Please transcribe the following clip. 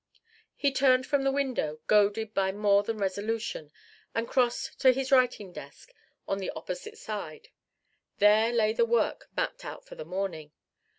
He turned from the window, goaded by more than resolution, and crossed to his writing desk on the opposite side: there lay the work mapped out for the morning.